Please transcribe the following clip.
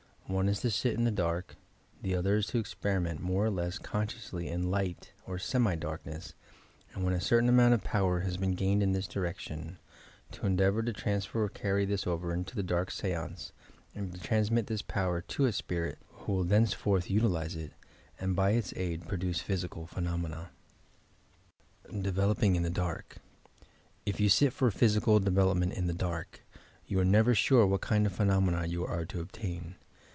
One is to sit in the dark : the other is to ex periment more or less consciously in light or semi dark' ness, and when a certain amount of power has been gained in this direction, to endeavour to transfer or carry this over into the dark seance and to transmit this power to a spirit who will thenceforth utilize it and by its aid produce physical phenomena. OEVELOPINO IN THE DARK If you sit for physical development in the dark, yoa are never sure what kind of phenomena you are to ob tain.